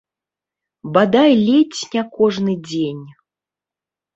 Бадай ледзь не кожны дзень.